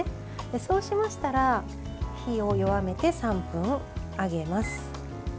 そうしましたら火を弱めて３分揚げます。